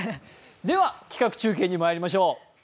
では、企画中継にまいりましょう。